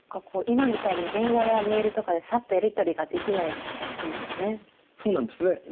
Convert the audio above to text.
今みたいに電話やメールとかでさっとやり取りができないですもんね。